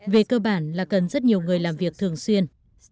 về cơ bản là cần rất nhiều người làm việc thường xuyên